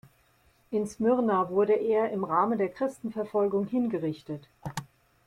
In Smyrna wurde er im Rahmen der Christenverfolgung hingerichtet.